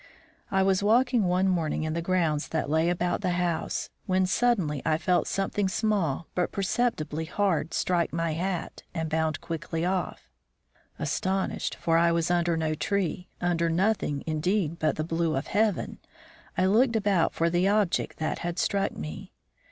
I was walking one morning in the grounds that lay about the house, when suddenly I felt something small but perceptibly hard strike my hat and bound quickly off. Astonished, for I was under no tree, under nothing indeed but the blue of heaven, I looked about for the object that had struck me.